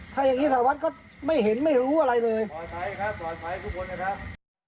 ถ้าอย่างนี้ทางวัดก็ไม่เห็นไม่รู้อะไรเลยปลอดภัยครับปลอดภัยทุกคนนะครับ